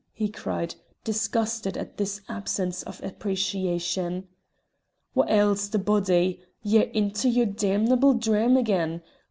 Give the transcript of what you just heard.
he cried, disgusted at this absence of appreciation. "What ails the body? Ye're into your damnable dwaam again.